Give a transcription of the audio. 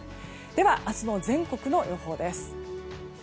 では、明日の全国の予報です。